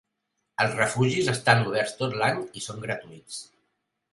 Els refugis estan oberts tot l'any i són gratuïts.